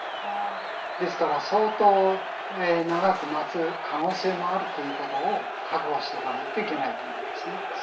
ですから相当長く待つ可能性もあるということを覚悟しとかないといけないと思うんですね。